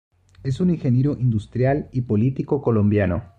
Es un ingeniero industrial y político colombiano.